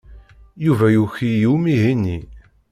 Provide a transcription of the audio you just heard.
Yuba yuki i umihi-nni.